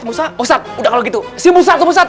musa ustadz udah kalau gitu si musa tuh ustadz